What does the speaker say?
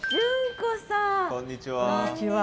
こんにちは。